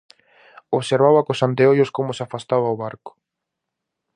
Observaba cos anteollos como se afastaba o barco.